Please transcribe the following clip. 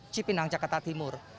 cipinang jakarta timur